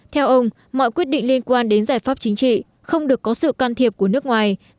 theo ông mọi quyết định liên quan đến giải pháp chính trị không được có sự can thiệp của nước ngoài